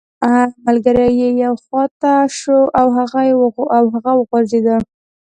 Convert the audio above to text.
ملګری یې یوې خوا ته شو او هغه وغورځیده